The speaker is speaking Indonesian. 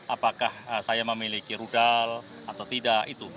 apakah saya memiliki rudal atau tidak itu